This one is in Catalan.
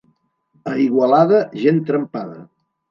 A Igualada, gent trempada.